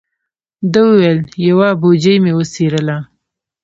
ده و ویل: یوه بوجۍ مې وڅیرله.